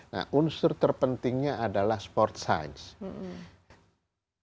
nah unsur terpentingnya adalah sport science